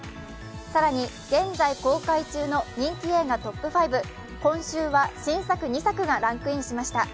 更に、現在公開中の人気映画トップ５、今週は新作２作がランクインしました。